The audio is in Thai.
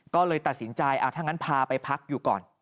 ก็เลยตัดสินใจถ้างั้นพาไปพักอยู่ก่อน